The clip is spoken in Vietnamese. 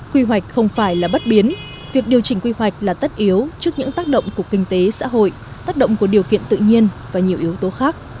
quy hoạch không phải là bất biến việc điều chỉnh quy hoạch là tất yếu trước những tác động của kinh tế xã hội tác động của điều kiện tự nhiên và nhiều yếu tố khác